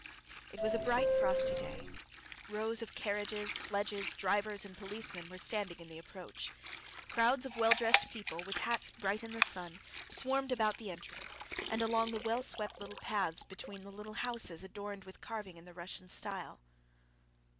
It was a bright, frosty day. Rows of carriages, sledges, drivers, and policemen were standing in the approach. Crowds of well dressed people, with hats bright in the sun, swarmed about the entrance and along the well swept little paths between the little houses adorned with carving in the Russian style.